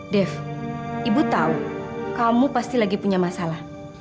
dev ibu tahu kamu pasti lagi punya masalah